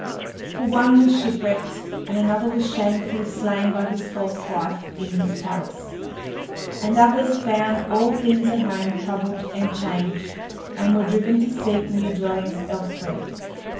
For one was shipwrecked and another was shamefully slain by his false wife in his palace, and others found all things at home troubled and changed and were driven to seek new dwellings elsewhere.